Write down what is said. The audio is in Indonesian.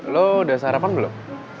lo udah sarapan belum